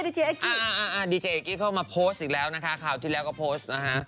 ดีเจเอกกี้เข้ามาโพสต์อีกแล้วนะคะคราวที่แล้วก็โพสต์นะฮะ